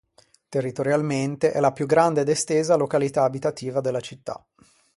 Territorialmente è la più grande ed estesa località abitativa della città.